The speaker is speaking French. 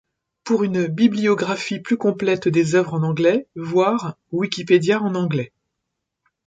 Pour une bibliographie plus complète des œuvres en anglais, voir Wikipedia en anglais.